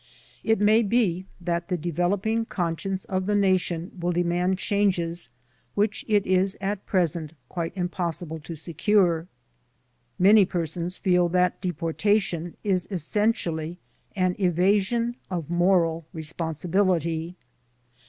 It may be that the developing conscience of the nation will demand changes which it is at present quite impossible to secure. Many persons feel that de portation is essentially an evasion of moral responsibility.